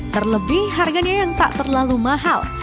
terlebih harganya yang tak terlalu mahal